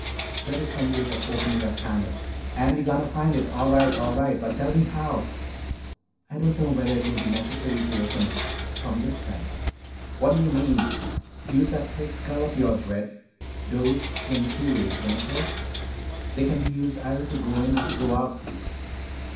"There is some way of opening that panel " "An' we gotta find it. All right, all right. But tell me how." "I don't know whether it will be necessary to open it from this side." "What d'ya mean?" "Use that thick skull of yours, Red. Doors swing two ways, don't they? They can be used either to go in or to go out."